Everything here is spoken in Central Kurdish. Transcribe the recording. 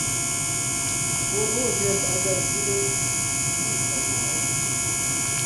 بۆ رۆژێک ئەگەر بڵێن لیێ قەوماوە.